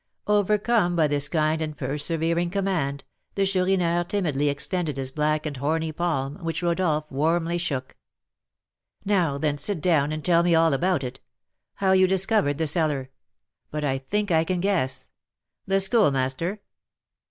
Overcome by this kind and persevering command, the Chourineur timidly extended his black and horny palm, which Rodolph warmly shook. "Now, then, sit down, and tell me all about it, how you discovered the cellar. But I think I can guess. The Schoolmaster?"